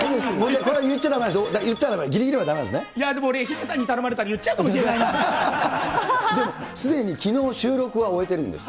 これは言っちゃだめなんですね、言ったらだめ、ぎりぎりまでだめいや、でも俺、ヒデさんに頼まれたら、でも、すでにきのう、収録は終えてるんです。